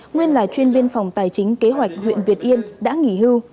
nguyên là chuyên viên phòng tài chính kế hoạch huyện việt yên đã nghỉ hưu